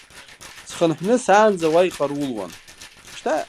Схынҳәны саанӡа уа иҟарулуан.